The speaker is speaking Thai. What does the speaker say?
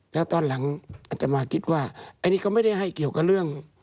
แล้วตอนหลังอาจจะมาคิดว่าอันนี้ก็ไม่ได้ให้เกี่ยวกับเรื่อง